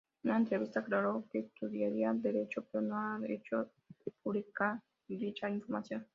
En una entrevista, aclaró que estudiaría Derecho, pero no han hecho pública dicha información.